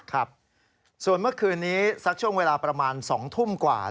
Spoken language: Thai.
ครับส่วนเมื่อคืนนี้สักช่วงเวลาประมาณ๒ทุ่มกว่า